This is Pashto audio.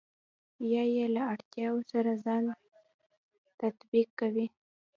يا يې له اړتياوو سره ځان تطابق کوئ.